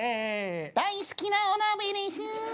大好きなお鍋です。